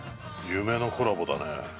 夢のコラボだね。